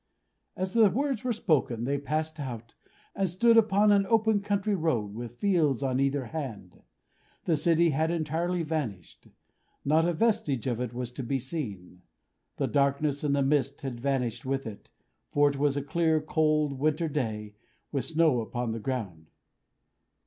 As the words were spoken, they passed out, and stood upon an open country road, with fields on either hand. The city had entirely vanished. Not a vestige of it was to be seen. The darkness and the mist had vanished with it, for it was a clear, cold, winter day, with snow upon the ground.